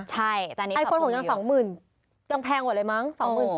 ใช่แต่อันนี้ประมาณ๒๔๐๐๐บาทยังแพงกว่าอะไรมั้ง๒๔๐๐๐